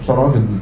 sau đó thì